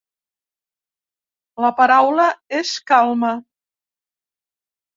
La paraula és calma.